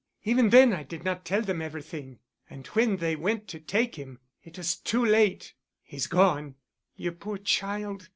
Even then I did not tell them everything. And when they went to take him, it was too late. He's gone." "You poor child.